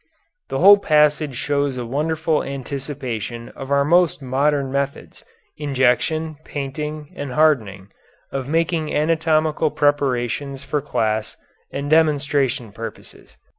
The whole passage shows a wonderful anticipation of our most modern methods injection, painting, hardening of making anatomical preparations for class and demonstration purposes.